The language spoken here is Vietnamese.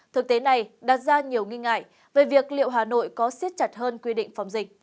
thực tế này đặt ra nhiều nghi ngại về việc liệu hà nội có xiết chặt hơn quy định phòng dịch